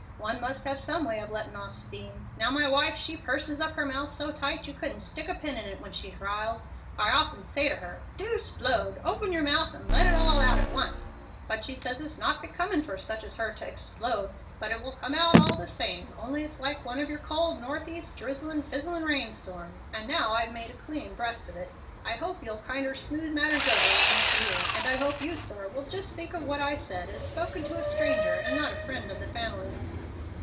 One must have some way of lettin' off steam. Now my wife she purses up her mouth so tight you couldn't stick a pin in it when she's riled. I often say to her, 'Do explode. Open your mouth and let it all out at once.' But she says it is not becoming for such as her ter 'explode.' But it will come out all the same, only it's like one of yer cold northeast, drizzlin', fizzlin' rain storms. And now I've made a clean breast of it, I hope you'll kinder smooth matters over with Miss Eulie; and I hope you, sir, will just think of what I said as spoken to a stranger and not a friend of the family."